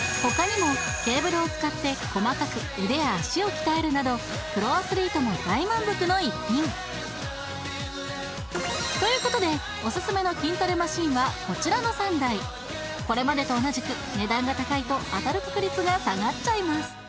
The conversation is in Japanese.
他にもケーブルを使って細かく腕や足を鍛えるなどプロアスリートも大満足の一品という事でオススメの筋トレマシンはこちらの３台これまでと同じく値段が高いと当たる確率が下がっちゃいます